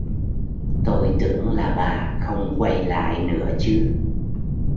Tôi tưởng là bà không quay lại nữa chứ